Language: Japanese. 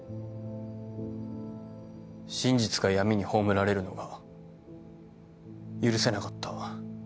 真実が闇に葬られるのが許せなかった。